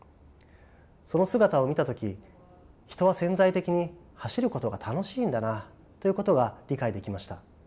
その姿を見た時人は潜在的に走ることが楽しいんだなということが理解できました。